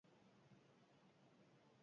Amaiera hiru kasu hauekin ematen da.